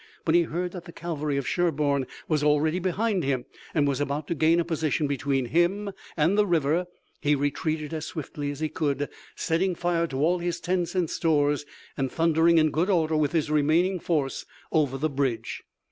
But when he heard that the cavalry of Sherburne was already behind him, and was about to gain a position between him and the river, he retreated as swiftly as he could, setting fire to all his tents and stores, and thundering in good order with his remaining force over the bridge.